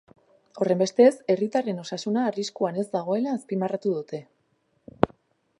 Horrenbestez, herritarren osasuna arriskuan ez dagoela azpimarratu dute.